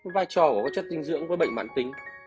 vai trò của các chất dinh dưỡng với bệnh mạn tính